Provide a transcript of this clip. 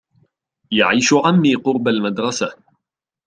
يعيش عمي قرب المدرسة.